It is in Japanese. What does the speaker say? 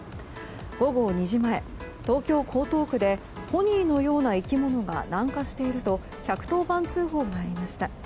午後２時前、東京・江東区でポニーのような生き物が南下していると１１０番通報がありました。